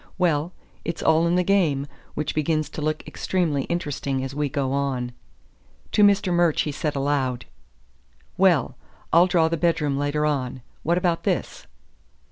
Well, it's all in the game; which begins to look extremely interesting as we go on." To Mr. Murch he said aloud: "Well, I'll draw the bedroom later on. What about this?"